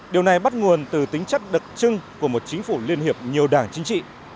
điều này bắt nguồn từ tính chất đặc trưng của một chính phủ liên hiệp nhiều đảng chính trị